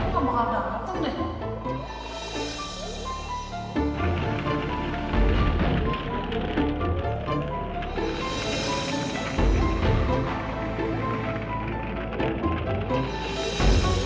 kayaknya pantai jotka gak bakal dateng nih